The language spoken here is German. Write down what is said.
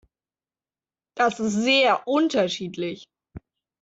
Das ist sehr unterschiedlich.